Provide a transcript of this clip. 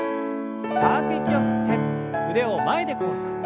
深く息を吸って腕を前で交差。